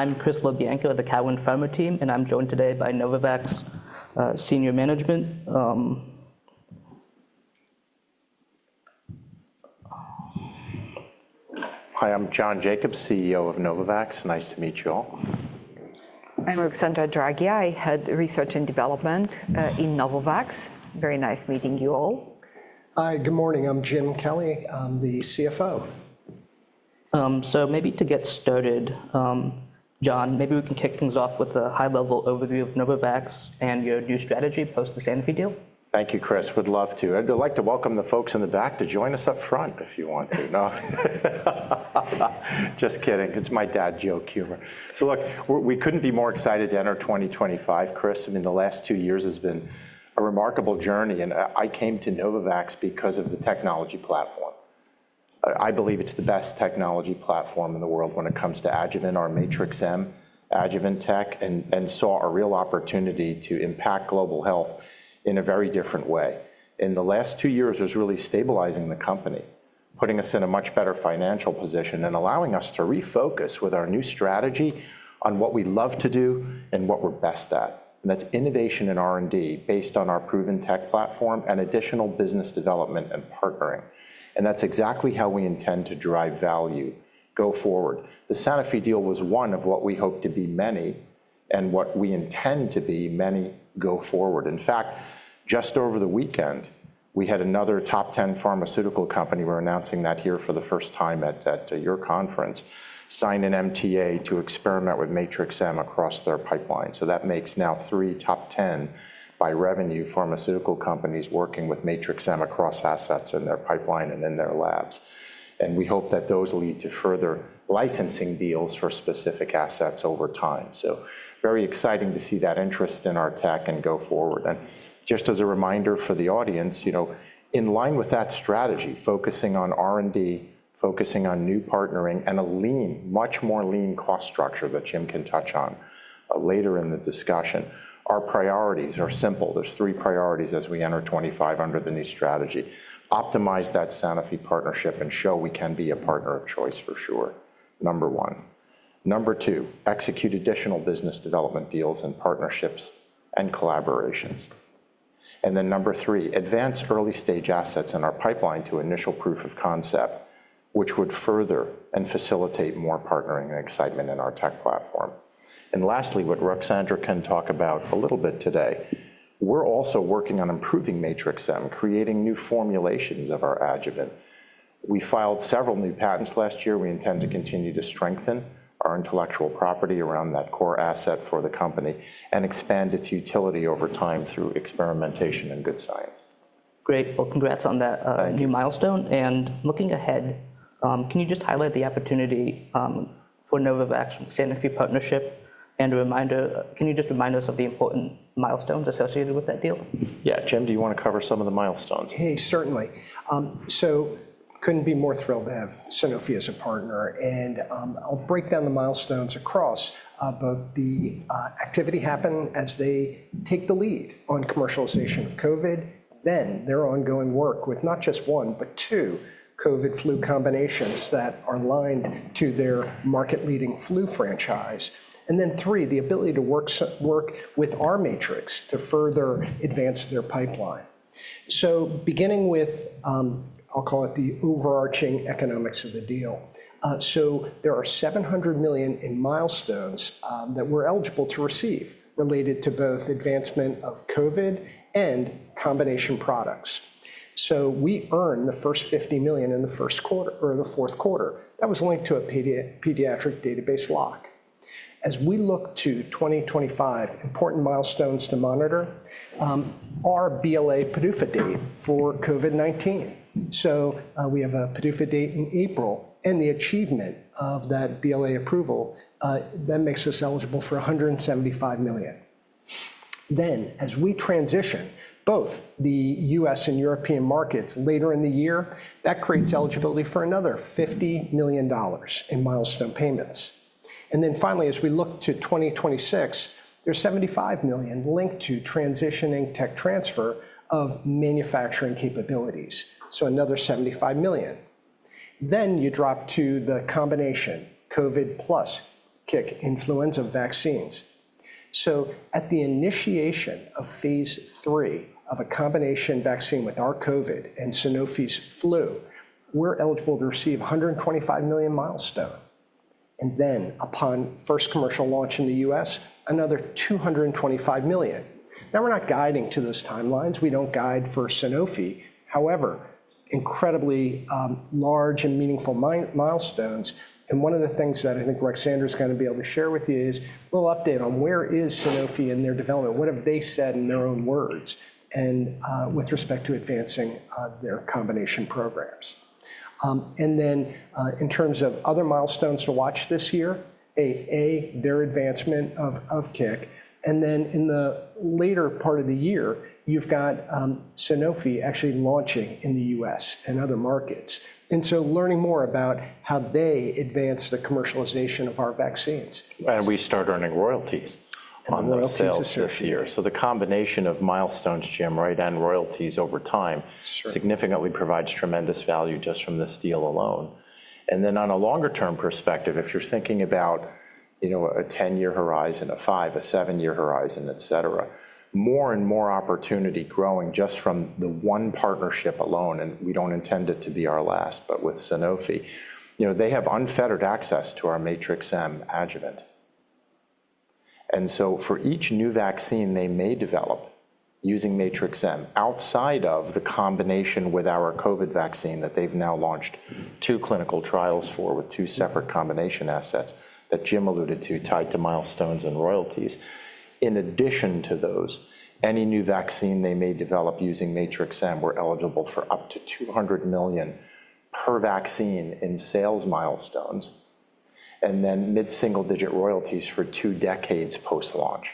I'm Chris LoBianco of the Calvin Farmer team, and I'm joined today by Novavax Senior Management. Hi, I'm John Jacobs, CEO of Novavax. Nice to meet you all. I'm Ruxandra Draghia. I head research and development in Novavax. Very nice meeting you all. Hi, good morning. I'm Jim Kelly. I'm the CFO. Maybe to get started, John, maybe we can kick things off with a high-level overview of Novavax and your new strategy post the Sanofi deal. Thank you, Chris. Would love to. I'd like to welcome the folks in the back to join us up front if you want to. Just kidding. It's my dad joke, humor. Look, we couldn't be more excited to enter 2025, Chris. I mean, the last two years has been a remarkable journey, and I came to Novavax because of the technology platform. I believe it's the best technology platform in the world when it comes to adjuvant, our Matrix-M Adjuvant tech, and saw a real opportunity to impact global health in a very different way. In the last two years, it was really stabilizing the company, putting us in a much better financial position, and allowing us to refocus with our new strategy on what we love to do and what we're best at. That is innovation and R&D based on our proven tech platform and additional business development and partnering. That is exactly how we intend to drive value going forward. The Sanofi deal was one of what we hope to be many and what we intend to be many going forward. In fact, just over the weekend, we had another top 10 pharmaceutical company. We are announcing that here for the first time at your conference, sign an MTA to experiment with Matrix-M across their pipeline. That makes now three top 10 by revenue pharmaceutical companies working with Matrix-M across assets in their pipeline and in their labs. We hope that those lead to further licensing deals for specific assets over time. It is very exciting to see that interest in our tech and going forward. Just as a reminder for the audience, in line with that strategy, focusing on R&D, focusing on new partnering, and a lean, much more lean cost structure that Jim can touch on later in the discussion. Our priorities are simple. There are three priorities as we enter 2025 under the new strategy: optimize that Sanofi partnership and show we can be a partner of choice for sure. Number one. Number two, execute additional business development deals and partnerships and collaborations. Number three, advance early stage assets in our pipeline to initial proof of concept, which would further and facilitate more partnering and excitement in our tech platform. Lastly, what Ruxandra can talk about a little bit today, we are also working on improving Matrix-M, creating new formulations of our adjuvant. We filed several new patents last year. We intend to continue to strengthen our intellectual property around that core asset for the company and expand its utility over time through experimentation and good science. Great. Congrats on that new milestone. Looking ahead, can you just highlight the opportunity for the Novavax Sanofi partnership and, as a reminder, can you just remind us of the important milestones associated with that deal? Yeah. Jim, do you want to cover some of the milestones? Hey, certainly. Couldn't be more thrilled to have Sanofi as a partner. I'll break down the milestones across both the activity happening as they take the lead on commercialization of COVID, their ongoing work with not just one, but two COVID flu combinations that are aligned to their market-leading flu franchise, and the ability to work with our matrix to further advance their pipeline. Beginning with, I'll call it the overarching economics of the deal. There are $700 million in milestones that we're eligible to receive related to both advancement of COVID and combination products. We earned the first $50 million in the first quarter or the fourth quarter. That was linked to a pediatric database lock. As we look to 2025, important milestones to monitor are BLA PDUFA date for COVID-19. We have a PDUFA date in April and the achievement of that BLA approval that makes us eligible for $175 million. As we transition both the U.S. and European markets later in the year, that creates eligibility for another $50 million in milestone payments. Finally, as we look to 2026, there's $75 million linked to transitioning tech transfer of manufacturing capabilities, so another $75 million. You drop to the combination COVID plus influenza vaccines. At the initiation of phase III of a combination vaccine with our COVID and Sanofi's flu, we're eligible to receive $125 million milestone. Upon first commercial launch in the U.S., another $225 million. We're not guiding to those timelines. We don't guide for Sanofi. However, incredibly large and meaningful milestones. One of the things that I think Ruxandra is going to be able to share with you is a little update on where is Sanofi in their development. What have they said in their own words with respect to advancing their combination programs? In terms of other milestones to watch this year, A, their advancement of kick. In the later part of the year, you have Sanofi actually launching in the U.S. and other markets. Learning more about how they advance the commercialization of our vaccines. We start earning royalties on this this year. The combination of milestones, Jim, right, and royalties over time significantly provides tremendous value just from this deal alone. On a longer-term perspective, if you're thinking about a 10-year horizon, a five, a seven-year horizon, et cetera, more and more opportunity growing just from the one partnership alone, and we don't intend it to be our last, but with Sanofi, they have unfettered access to our Matrix-M Adjuvant. For each new vaccine they may develop using Matrix-M outside of the combination with our COVID vaccine that they've now launched two clinical trials for with two separate combination assets that Jim alluded to tied to milestones and royalties. In addition to those, any new vaccine they may develop using Matrix-M, we're eligible for up to $200 million per vaccine in sales milestones and then mid-single-digit royalties for two decades post-launch.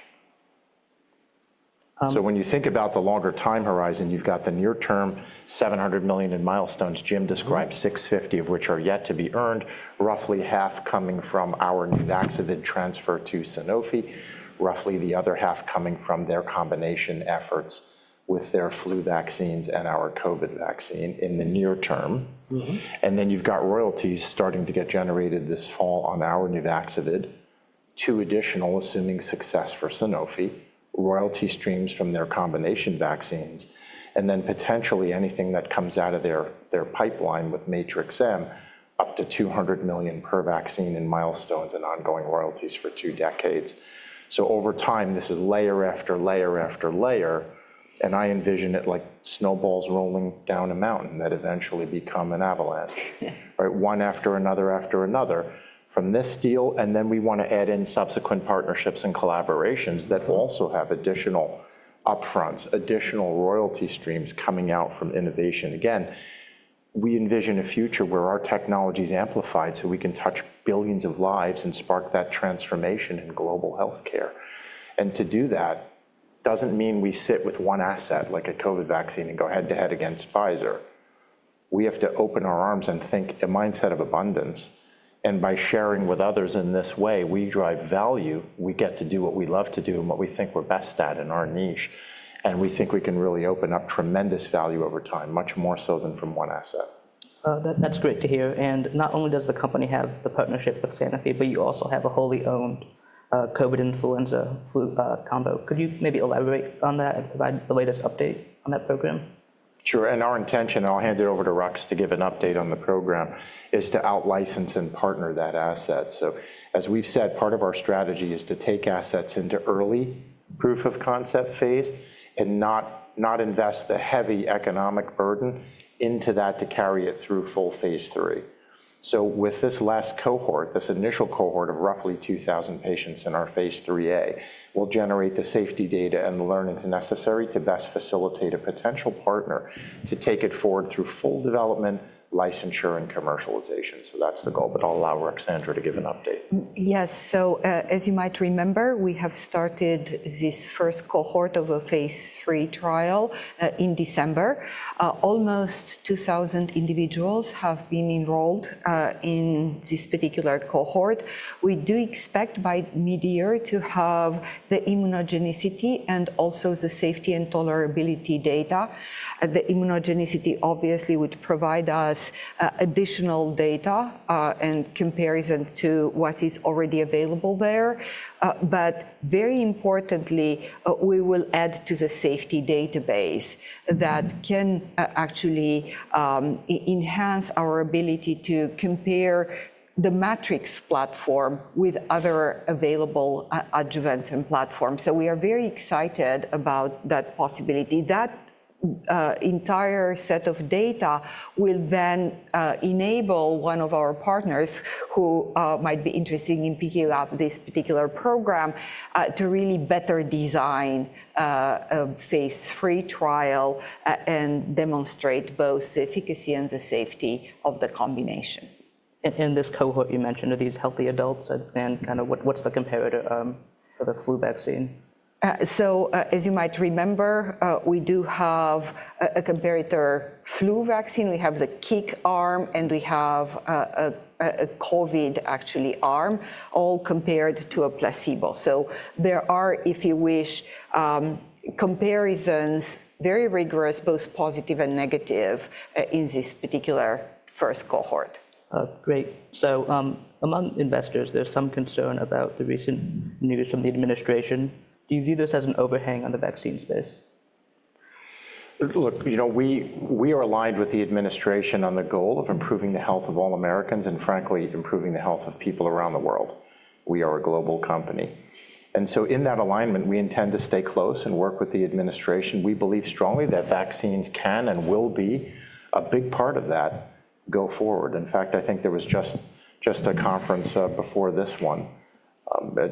When you think about the longer time horizon, you've got the near-term $700 million in milestones. Jim described $650 million of which are yet to be earned, roughly half coming from our new vaccine transfer to Sanofi, roughly the other half coming from their combination efforts with their flu vaccines and our COVID-19 vaccine in the near term. You have royalties starting to get generated this fall on our new vaccine, two additional, assuming success for Sanofi, royalty streams from their combination vaccines, and then potentially anything that comes out of their pipeline with Matrix-M, up to $200 million per vaccine in milestones and ongoing royalties for two decades. Over time, this is layer after layer after layer, and I envision it like snowballs rolling down a mountain that eventually become an avalanche, right? One after another after another from this deal. We want to add in subsequent partnerships and collaborations that also have additional upfronts, additional royalty streams coming out from innovation. Again, we envision a future where our technology is amplified so we can touch billions of lives and spark that transformation in global healthcare. To do that does not mean we sit with one asset like a COVID-19 vaccine and go head to head against Pfizer. We have to open our arms and think a mindset of abundance. By sharing with others in this way, we drive value. We get to do what we love to do and what we think we are best at in our niche. We think we can really open up tremendous value over time, much more so than from one asset. That's great to hear. Not only does the company have the partnership with Sanofi, but you also have a wholly owned COVID influenza flu combo. Could you maybe elaborate on that and provide the latest update on that program? Sure. Our intention, and I'll hand it over to Rex to give an update on the program, is to out-license and partner that asset. As we've said, part of our strategy is to take assets into early proof of concept phase and not invest the heavy economic burden into that to carry it through full phase three. With this last cohort, this initial cohort of roughly 2,000 patients in our phase III A, we'll generate the safety data and the learnings necessary to best facilitate a potential partner to take it forward through full development, licensure, and commercialization. That's the goal, but I'll allow Ruxandra to give an update. Yes. As you might remember, we have started this first cohort of a phase III trial in December. Almost 2,000 individuals have been enrolled in this particular cohort. We do expect by mid-year to have the immunogenicity and also the safety and tolerability data. The immunogenicity obviously would provide us additional data and comparison to what is already available there. Very importantly, we will add to the safety database that can actually enhance our ability to compare the Matrix platform with other available adjuvants and platforms. We are very excited about that possibility. That entire set of data will then enable one of our partners who might be interested in picking up this particular program to really better design a phase three trial and demonstrate both the efficacy and the safety of the combination. This cohort you mentioned, are these healthy adults? And kind of what's the comparator for the flu vaccine? As you might remember, we do have a comparator flu vaccine. We have the kick arm, and we have a COVID actually arm, all compared to a placebo. There are, if you wish, comparisons very rigorous, both positive and negative in this particular first cohort. Great. Among investors, there's some concern about the recent news from the administration. Do you view this as an overhang on the vaccine space? Look, we are aligned with the administration on the goal of improving the health of all Americans and frankly, improving the health of people around the world. We are a global company. In that alignment, we intend to stay close and work with the administration. We believe strongly that vaccines can and will be a big part of that go forward. In fact, I think there was just a conference before this one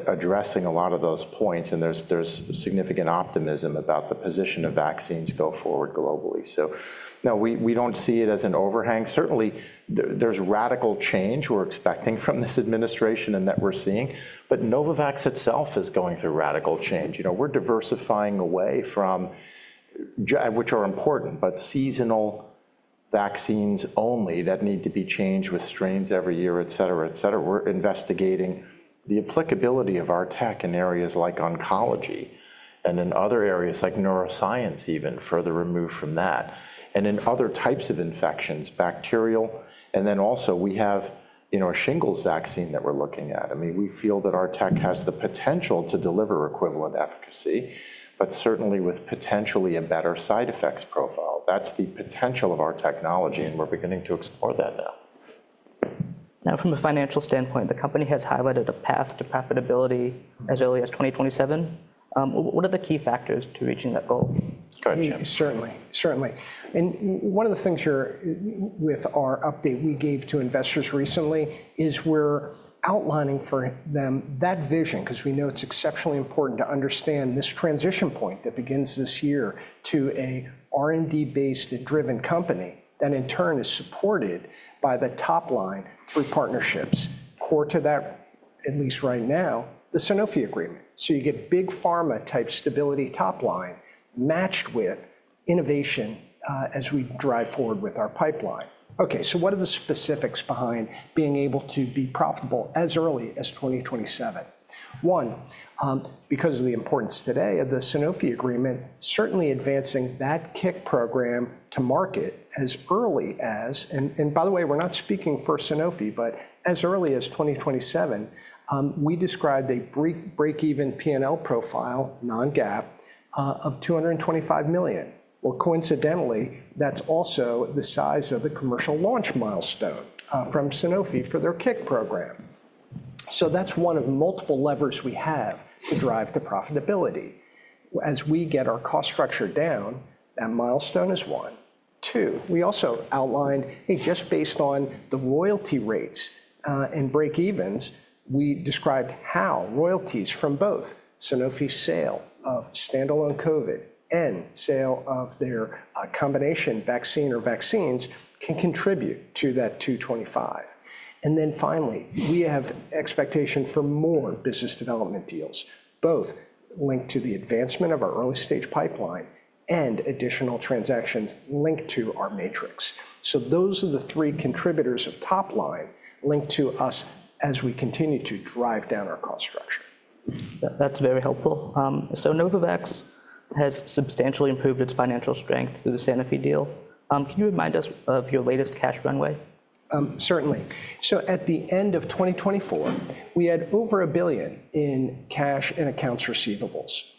addressing a lot of those points, and there is significant optimism about the position of vaccines go forward globally. No, we do not see it as an overhang. Certainly, there is radical change we are expecting from this administration and that we are seeing, but Novavax itself is going through radical change. We are diversifying away from, which are important, but seasonal vaccines only that need to be changed with strains every year, et cetera, et cetera. We're investigating the applicability of our tech in areas like oncology and in other areas like neuroscience, even further removed from that, and in other types of infections, bacterial. I mean, we have a shingles vaccine that we're looking at. I mean, we feel that our tech has the potential to deliver equivalent efficacy, but certainly with potentially a better side effects profile. That's the potential of our technology, and we're beginning to explore that now. Now, from a financial standpoint, the company has highlighted a path to profitability as early as 2027. What are the key factors to reaching that goal? Certainly, certainly. One of the things with our update we gave to investors recently is we're outlining for them that vision because we know it's exceptionally important to understand this transition point that begins this year to an R&D-based and driven company that in turn is supported by the top line through partnerships, core to that, at least right now, the Sanofi agreement. You get big pharma type stability top line matched with innovation as we drive forward with our pipeline. Okay, what are the specifics behind being able to be profitable as early as 2027? One, because of the importance today of the Sanofi agreement, certainly advancing that kick program to market as early as, and by the way, we're not speaking for Sanofi, but as early as 2027, we described a break-even P&L profile, non-GAAP, of $225 million. Coincidentally, that's also the size of the commercial launch milestone from Sanofi for their kick program. That's one of multiple levers we have to drive the profitability. As we get our cost structure down, that milestone is one. Two, we also outlined, hey, just based on the royalty rates and break-evens, we described how royalties from both Sanofi's sale of standalone COVID and sale of their combination vaccine or vaccines can contribute to that $225 million. Finally, we have expectation for more business development deals, both linked to the advancement of our early-stage pipeline and additional transactions linked to our matrix. Those are the three contributors of top line linked to us as we continue to drive down our cost structure. That's very helpful. Novavax has substantially improved its financial strength through the Sanofi deal. Can you remind us of your latest cash runway? Certainly. At the end of 2024, we had over $1 billion in cash and accounts receivables.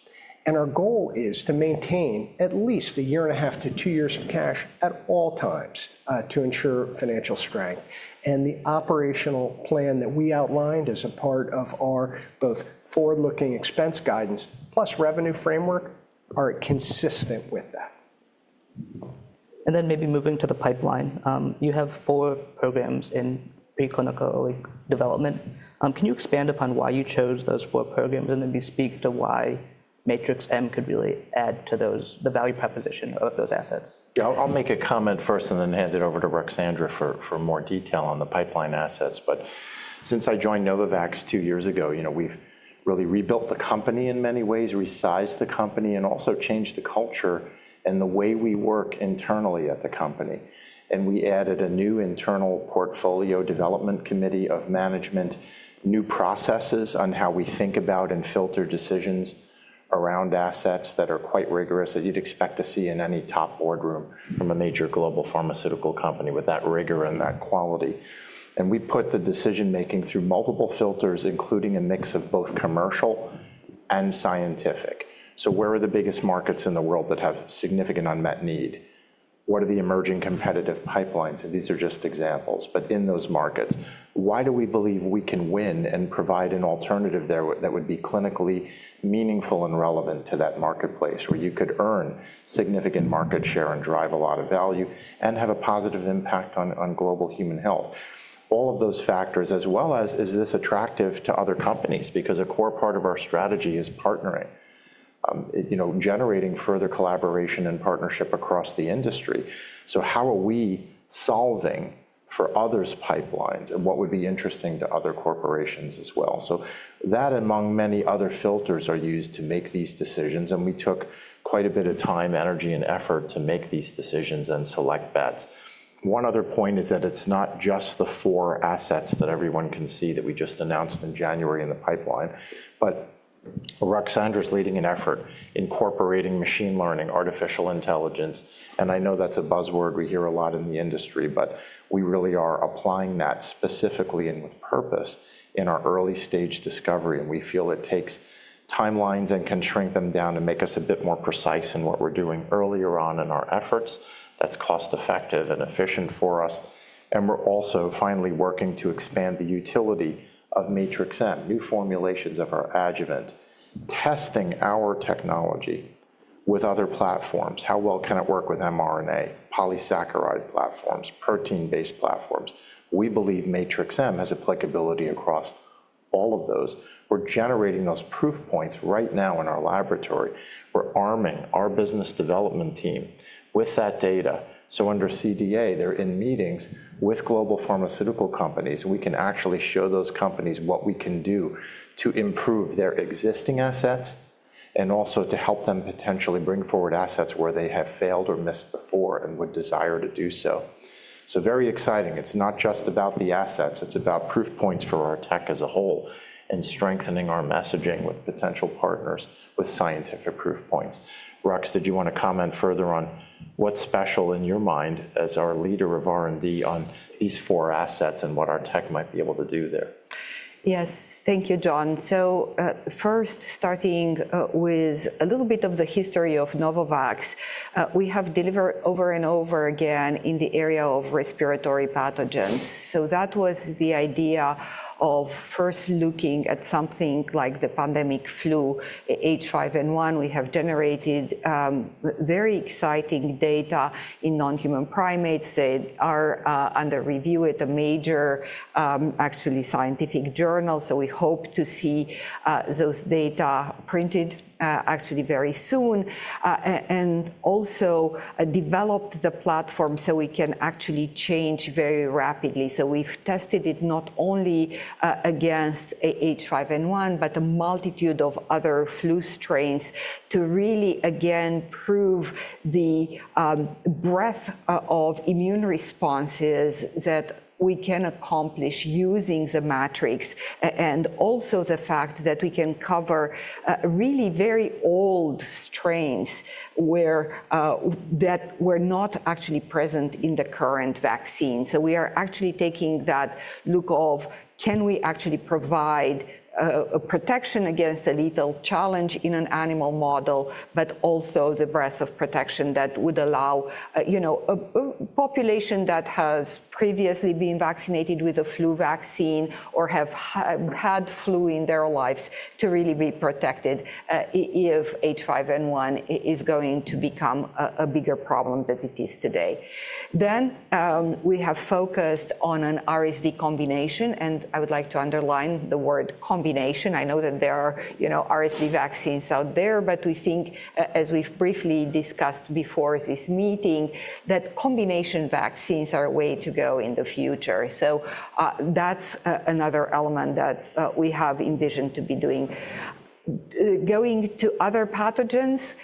Our goal is to maintain at least a year and a half to two years of cash at all times to ensure financial strength. The operational plan that we outlined as a part of our both forward-looking expense guidance plus revenue framework are consistent with that. Maybe moving to the pipeline, you have four programs in preclinical development. Can you expand upon why you chose those four programs and maybe speak to why Matrix-M could really add to the value proposition of those assets? Yeah, I'll make a comment first and then hand it over to Ruxandra for more detail on the pipeline assets. Since I joined Novavax two years ago, we've really rebuilt the company in many ways, resized the company, and also changed the culture and the way we work internally at the company. We added a new internal portfolio development committee of management, new processes on how we think about and filter decisions around assets that are quite rigorous that you'd expect to see in any top boardroom from a major global pharmaceutical company with that rigor and that quality. We put the decision-making through multiple filters, including a mix of both commercial and scientific. Where are the biggest markets in the world that have significant unmet need? What are the emerging competitive pipelines? These are just examples, but in those markets, why do we believe we can win and provide an alternative there that would be clinically meaningful and relevant to that marketplace where you could earn significant market share and drive a lot of value and have a positive impact on global human health? All of those factors, as well as is this attractive to other companies? A core part of our strategy is partnering, generating further collaboration and partnership across the industry. How are we solving for others' pipelines and what would be interesting to other corporations as well? That, among many other filters, are used to make these decisions. We took quite a bit of time, energy, and effort to make these decisions and select bets. One other point is that it's not just the four assets that everyone can see that we just announced in January in the pipeline, but Ruxandra's leading an effort incorporating machine learning, artificial intelligence. I know that's a buzzword we hear a lot in the industry, but we really are applying that specifically and with purpose in our early-stage discovery. We feel it takes timelines and can shrink them down and make us a bit more precise in what we're doing earlier on in our efforts. That's cost-effective and efficient for us. We're also finally working to expand the utility of Matrix-M, new formulations of our adjuvant, testing our technology with other platforms. How well can it work with mRNA, polysaccharide platforms, protein-based platforms? We believe Matrix-M has applicability across all of those. We're generating those proof points right now in our laboratory. We're arming our business development team with that data. Under CDA, they're in meetings with global pharmaceutical companies. We can actually show those companies what we can do to improve their existing assets and also to help them potentially bring forward assets where they have failed or missed before and would desire to do so. Very exciting. It's not just about the assets. It's about proof points for our tech as a whole and strengthening our messaging with potential partners with scientific proof points. Rux, did you want to comment further on what's special in your mind as our leader of R&D on these four assets and what our tech might be able to do there? Yes, thank you, John. First, starting with a little bit of the history of Novavax, we have delivered over and over again in the area of respiratory pathogens. That was the idea of first looking at something like the pandemic flu, H5N1. We have generated very exciting data in non-human primates. They are under review at a major, actually scientific journal. We hope to see those data printed actually very soon and also develop the platform so we can actually change very rapidly. We have tested it not only against H5N1, but a multitude of other flu strains to really again prove the breadth of immune responses that we can accomplish using the matrix and also the fact that we can cover really very old strains that were not actually present in the current vaccine. We are actually taking that look of can we actually provide protection against a lethal challenge in an animal model, but also the breadth of protection that would allow a population that has previously been vaccinated with a flu vaccine or have had flu in their lives to really be protected if H5N1 is going to become a bigger problem than it is today. We have focused on an RSV combination, and I would like to underline the word combination. I know that there are RSV vaccines out there, but we think, as we've briefly discussed before this meeting, that combination vaccines are a way to go in the future. That is another element that we have envisioned to be doing. Going to other pathogens,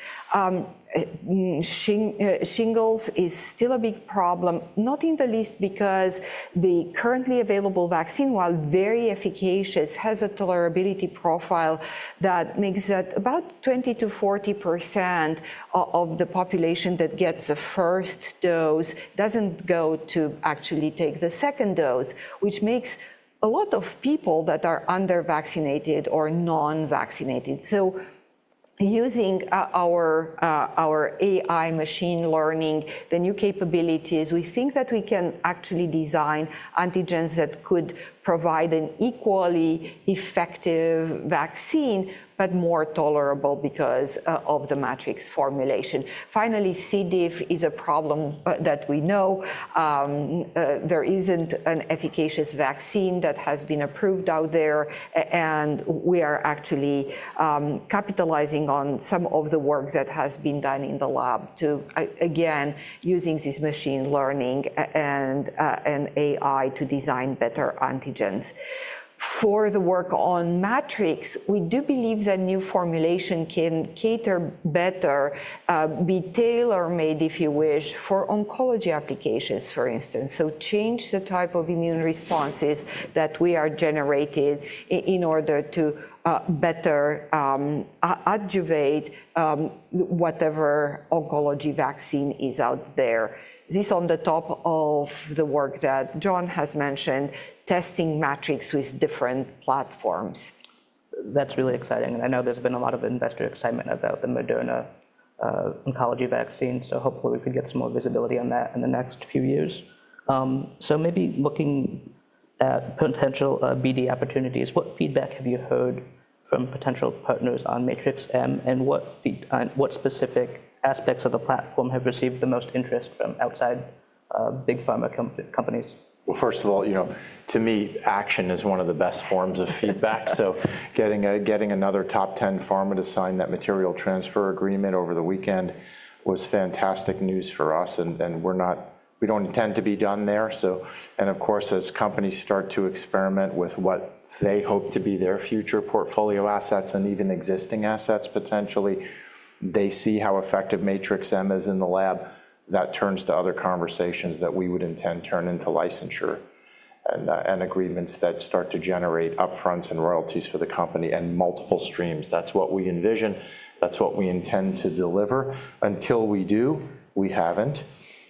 shingles is still a big problem, not in the least because the currently available vaccine, while very efficacious, has a tolerability profile that makes that about 20-40% of the population that gets the first dose doesn't go to actually take the second dose, which makes a lot of people that are undervaccinated or non-vaccinated. Using our AI machine learning, the new capabilities, we think that we can actually design antigens that could provide an equally effective vaccine, but more tolerable because of the matrix formulation. Finally, C. diff is a problem that we know. There isn't an efficacious vaccine that has been approved out there, and we are actually capitalizing on some of the work that has been done in the lab to, again, using this machine learning and AI to design better antigens. For the work on Matrix, we do believe that new formulation can cater better, be tailor-made, if you wish, for oncology applications, for instance. Change the type of immune responses that we are generating in order to better adjuvate whatever oncology vaccine is out there. This is on the top of the work that John has mentioned, testing Matrix with different platforms. That's really exciting. I know there's been a lot of investor excitement about the Moderna oncology vaccine. Hopefully we could get some more visibility on that in the next few years. Maybe looking at potential BD opportunities, what feedback have you heard from potential partners on Matrix-M, and what specific aspects of the platform have received the most interest from outside big pharma companies? To me, action is one of the best forms of feedback. Getting another top 10 pharma to sign that material transfer agreement over the weekend was fantastic news for us. We do not intend to be done there. As companies start to experiment with what they hope to be their future portfolio assets and even existing assets potentially, they see how effective Matrix-M is in the lab. That turns to other conversations that we would intend turn into licensure and agreements that start to generate upfronts and royalties for the company and multiple streams. That is what we envision. That is what we intend to deliver. Until we do, we have not.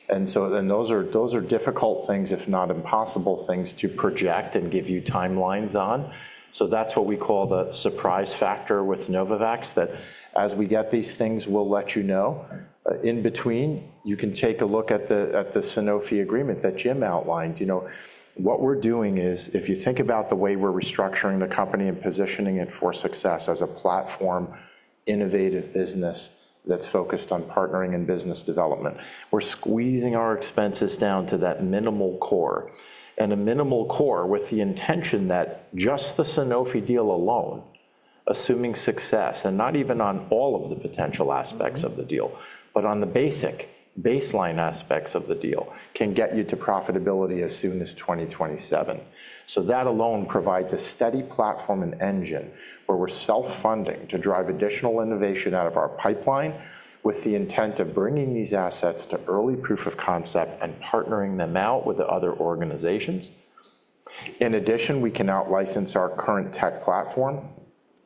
Those are difficult things, if not impossible things, to project and give you timelines on. That is what we call the surprise factor with Novavax that as we get these things, we will let you know. In between, you can take a look at the Sanofi agreement that Jim outlined. What we are doing is, if you think about the way we are restructuring the company and positioning it for success as a platform, innovative business that is focused on partnering and business development, we are squeezing our expenses down to that minimal core and a minimal core with the intention that just the Sanofi deal alone, assuming success, and not even on all of the potential aspects of the deal, but on the basic baseline aspects of the deal can get you to profitability as soon as 2027. That alone provides a steady platform and engine where we're self-funding to drive additional innovation out of our pipeline with the intent of bringing these assets to early proof of concept and partnering them out with other organizations. In addition, we can out-license our current tech platform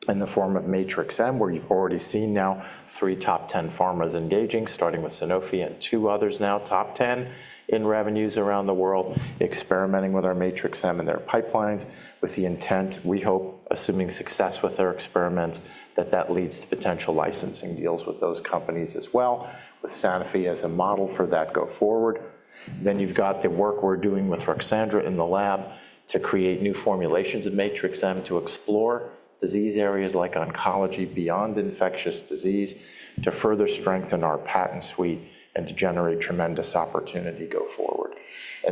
in the form of Matrix-M, where you've already seen now three top 10 pharmas engaging, starting with Sanofi and two others now top 10 in revenues around the world, experimenting with our Matrix-M and their pipelines with the intent, we hope, assuming success with their experiments, that that leads to potential licensing deals with those companies as well, with Sanofi as a model for that go forward. You have the work we're doing with Ruxandra in the lab to create new formulations of Matrix-M to explore disease areas like oncology beyond infectious disease to further strengthen our patent suite and to generate tremendous opportunity going forward.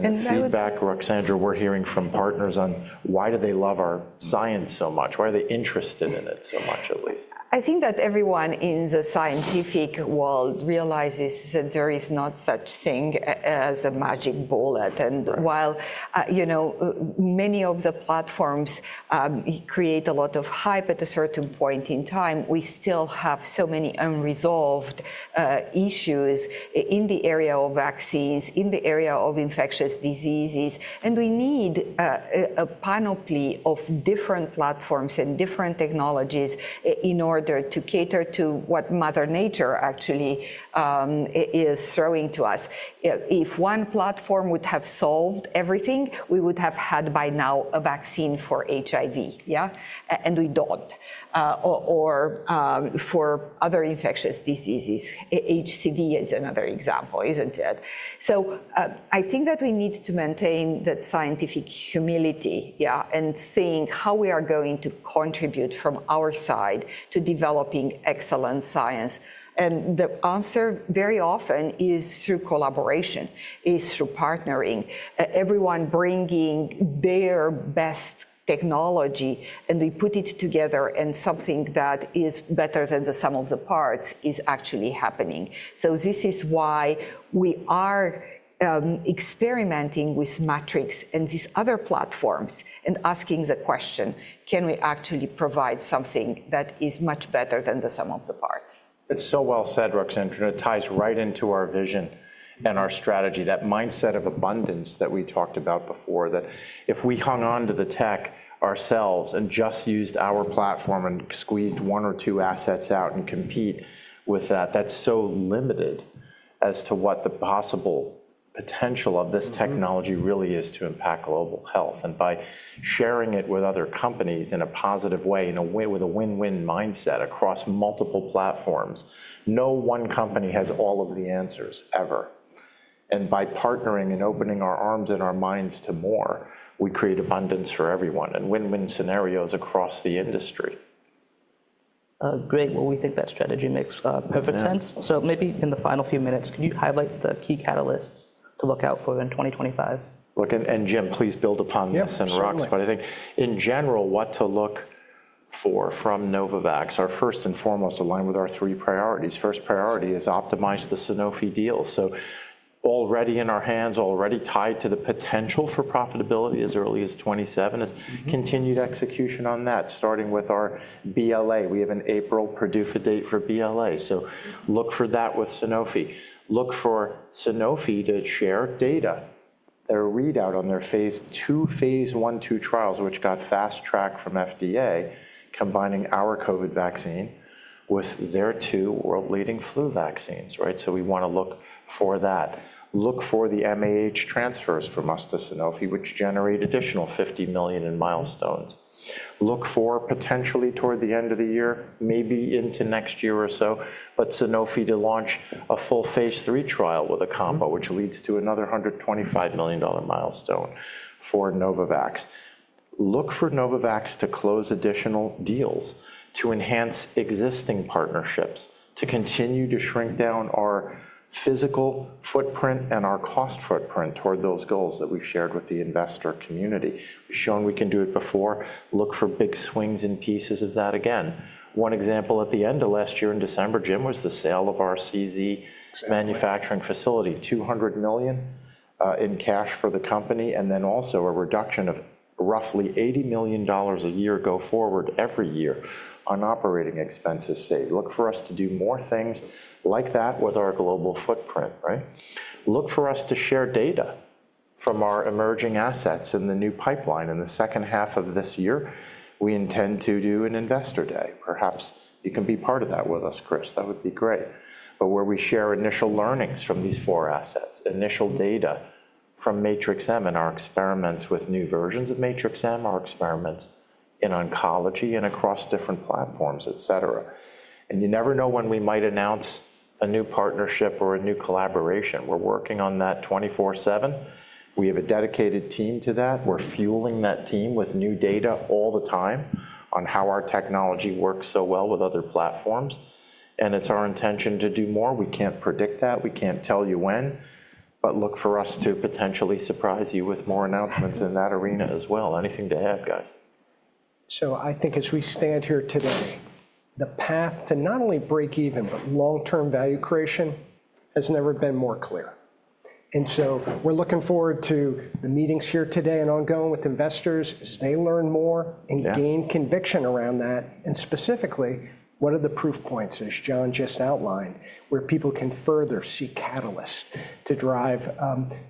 Feedback, Ruxandra, we're hearing from partners on why do they love our science so much? Why are they interested in it so much at least? I think that everyone in the scientific world realizes that there is not such thing as a magic bullet. While many of the platforms create a lot of hype at a certain point in time, we still have so many unresolved issues in the area of vaccines, in the area of infectious diseases. We need a panoply of different platforms and different technologies in order to cater to what Mother Nature actually is throwing to us. If one platform would have solved everything, we would have had by now a vaccine for HIV, yeah? We do not. Or for other infectious diseases. HCV is another example, is it not? I think that we need to maintain that scientific humility and think how we are going to contribute from our side to developing excellent science. The answer very often is through collaboration, is through partnering, everyone bringing their best technology, and we put it together and something that is better than the sum of the parts is actually happening. This is why we are experimenting with matrix and these other platforms and asking the question, can we actually provide something that is much better than the sum of the parts? It's so well said, Ruxandra. It ties right into our vision and our strategy, that mindset of abundance that we talked about before, that if we hung on to the tech ourselves and just used our platform and squeezed one or two assets out and compete with that, that's so limited as to what the possible potential of this technology really is to impact global health. By sharing it with other companies in a positive way, with a win-win mindset across multiple platforms, no one company has all of the answers ever. By partnering and opening our arms and our minds to more, we create abundance for everyone and win-win scenarios across the industry. Great. We think that strategy makes perfect sense. Maybe in the final few minutes, can you highlight the key catalysts to look out for in 2025? Look, and Jim, please build upon this and Rux, but I think in general, what to look for from Novavax, our first and foremost, aligned with our three priorities. First priority is optimize the Sanofi deal. So already in our hands, already tied to the potential for profitability as early as 2027 is continued execution on that, starting with our BLA. We have an April PDUFA date for BLA. Look for that with Sanofi. Look for Sanofi to share data, their readout on their phase two, phase one two trials, which got fast track from FDA, combining our COVID-19 vaccine with their two world-leading flu vaccines, right? We want to look for that. Look for the MAH transfers from us to Sanofi, which generate additional $50 million in milestones. Look for potentially toward the end of the year, maybe into next year or so, but Sanofi to launch a full phase III trial with a combo, which leads to another $125 million milestone for Novavax. Look for Novavax to close additional deals to enhance existing partnerships, to continue to shrink down our physical footprint and our cost footprint toward those goals that we've shared with the investor community. We've shown we can do it before. Look for big swings in pieces of that again. One example at the end of last year in December, Jim was the sale of our CZ manufacturing facility, $200 million in cash for the company, and then also a reduction of roughly $80 million a year go forward every year on operating expenses saved. Look for us to do more things like that with our global footprint, right? Look for us to share data from our emerging assets in the new pipeline in the second half of this year. We intend to do an investor day. Perhaps you can be part of that with us, Chris. That would be great. Where we share initial learnings from these four assets, initial data from Matrix-M and our experiments with new versions of Matrix-M, our experiments in oncology and across different platforms, et cetera. You never know when we might announce a new partnership or a new collaboration. We're working on that 24/7. We have a dedicated team to that. We're fueling that team with new data all the time on how our technology works so well with other platforms. It's our intention to do more. We can't predict that. We can't tell you when, but look for us to potentially surprise you with more announcements in that arena as well. Anything to add, guys? I think as we stand here today, the path to not only break even, but long-term value creation has never been more clear. We are looking forward to the meetings here today and ongoing with investors as they learn more and gain conviction around that. Specifically, what are the proof points, as John just outlined, where people can further see catalysts to drive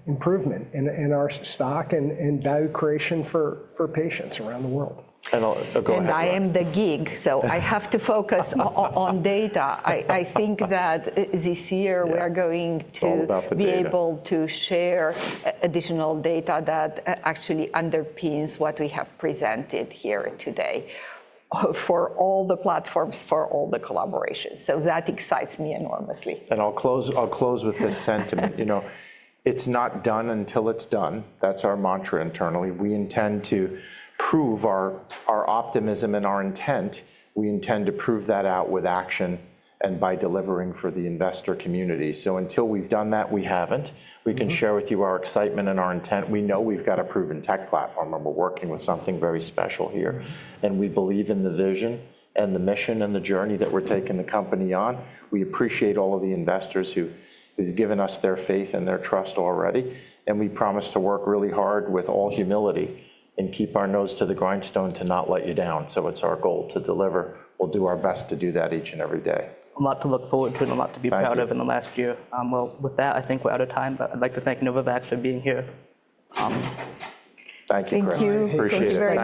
improvement in our stock and value creation for patients around the world? I am the geek, so I have to focus on data. I think that this year we are going to be able to share additional data that actually underpins what we have presented here today for all the platforms, for all the collaborations. That excites me enormously. I'll close with this sentiment. It's not done until it's done. That's our mantra internally. We intend to prove our optimism and our intent. We intend to prove that out with action and by delivering for the investor community. Until we've done that, we haven't. We can share with you our excitement and our intent. We know we've got a proven tech platform and we're working with something very special here. We believe in the vision and the mission and the journey that we're taking the company on. We appreciate all of the investors who've given us their faith and their trust already. We promise to work really hard with all humility and keep our nose to the grindstone to not let you down. It's our goal to deliver. We'll do our best to do that each and every day. A lot to look forward to and a lot to be proud of in the last year. With that, I think we're out of time, but I'd like to thank Novavax for being here. Thank you, Chris. Thank you. Appreciate it.